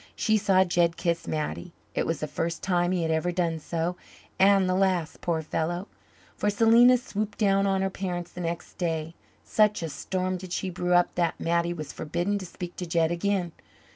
She saw Jed kiss Mattie. It was the first time he had ever done so and the last, poor fellow. For Selena swooped down on her parents the next day. Such a storm did she brew up that Mattie was forbidden to speak to Jed again.